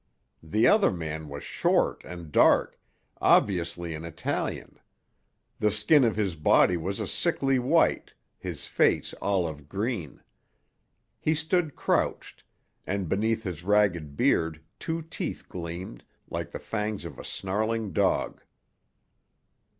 The other man was short and dark, obviously an Italian; the skin of his body was a sickly white, his face olive green. He stood crouched, and beneath his ragged beard two teeth gleamed, like the fangs of a snarling dog.